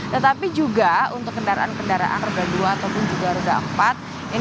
tetapi juga untuk kendaraan kendaraan r dua ataupun juga r empat ini juga banyak juga yang memang pada hari ini